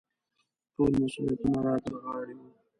ټول مسوولیتونه را ترغاړې وو.